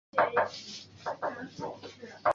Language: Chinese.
刘表为荆州刺史时刘度担任荆州的零陵太守。